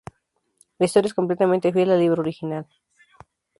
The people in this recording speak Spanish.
La historia es completamente fiel al libro original.